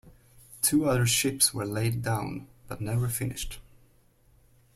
Two other ships were laid down, but never finished.